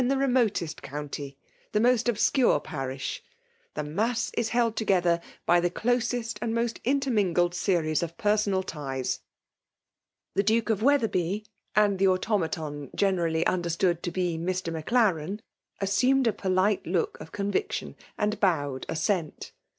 191 tbe remotest oounty, — the most obscure pa rish ;— the mass is held together by the closest and most intemungled series of personal ties. The Duke of Wetherby, a2id the autonatoa generally understood to be Mr. Maclaren, assuined a polite look of conviction^ and bowed assent.